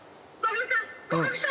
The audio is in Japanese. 合格した？